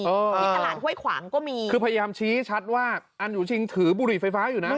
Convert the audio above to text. ที่ตลาดห้วยขวางก็มีคือพยายามชี้ชัดว่าอันอยู่ชิงถือบุหรี่ไฟฟ้าอยู่นะ